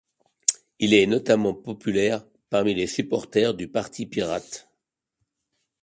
Il est notamment populaire parmi les supporters du Parti pirate.